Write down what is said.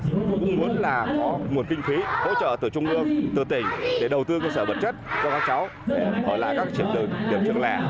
chúng tôi cũng muốn là có nguồn kinh khí hỗ trợ từ trung ương từ tỉnh để đầu tư cơ sở vật chất cho các cháu để hỏi lại các điểm trường lẻ